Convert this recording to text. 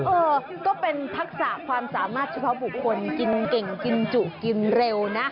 เออก็เป็นทักษะความสามารถเฉพาะบุคคลกินเก่งกินจุกินเร็วนะ